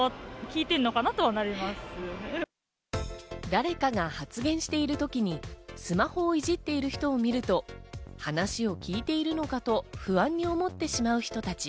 誰かが発言している時にスマホをいじっている人を見ると話を聞いているのかと不安に思ってしまう人たち。